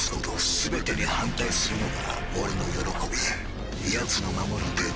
全てに反対するのが俺の喜びやつの守るデータを全て奪うのだ！